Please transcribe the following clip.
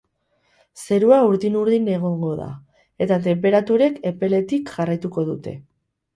Zerua urdin-urdin egongo da, eta tenperaturek epeletik jarraituko dute.